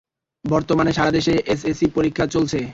বর্তমানে সারা দেশে এসএসসি পরীক্ষা চলছে।